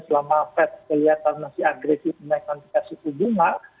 selama fed kelihatan masih agresif menaikkan titasi tujuh jumaat